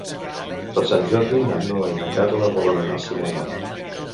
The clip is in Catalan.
Per Sant Jordi na Noa i na Carla volen anar al cinema.